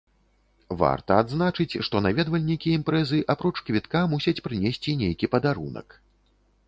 Варта адзначыць, што наведвальнікі імпрэзы апроч квітка мусяць прынесці нейкі падарунак.